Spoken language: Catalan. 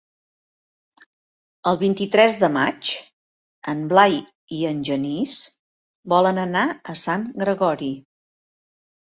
El vint-i-tres de maig en Blai i en Genís volen anar a Sant Gregori.